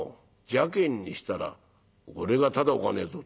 邪けんにしたら俺がただおかねえぞ』